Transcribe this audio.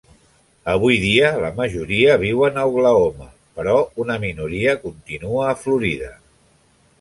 Avui dia la majoria viuen a Oklahoma, però una minoria continua a Florida.